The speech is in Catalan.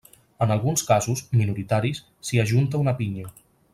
En alguns casos, minoritaris, s'hi ajunta una pinya.